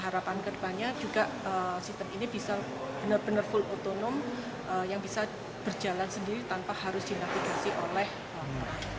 harapan kedepannya juga sistem ini bisa benar benar full otonom yang bisa berjalan sendiri tanpa harus dinavigasi oleh orang